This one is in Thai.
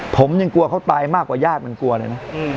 ผมยังกลัวเขาตายมากกว่าญาติมันกลัวเลยนะ